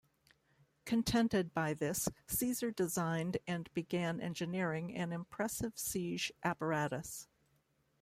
Contented by this, Caesar designed and began engineering an impressive siege apparatus.